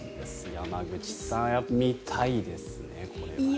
山口さん見たいですね、これは。